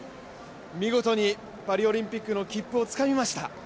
見事にパリオリンピックの切符をつかみました。